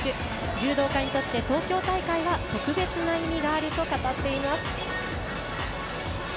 柔道家にとって東京大会は特別な意味があると語っています。